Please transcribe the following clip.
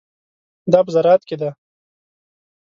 دا په زراعت کې ده.